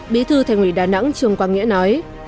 bí thư thành ủy đà nẵng trương quang nghĩa nói